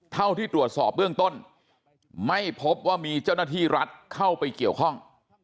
เท่าที่ตรวจสอบเบื้องต้นไม่พบว่ามีเจ้าหน้าที่รัฐเข้าไปเกี่ยวข้อง